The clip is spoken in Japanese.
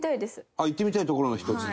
あっ行ってみたい所の一つ。